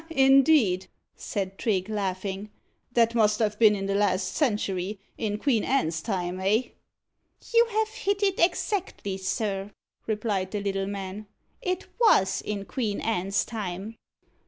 "Ha! indeed!" said Trigge, laughing. "That must have been in the last century in Queen Anne's time eh?" "You have hit it exactly, sir," replied the little man. "It was in Queen Anne's time."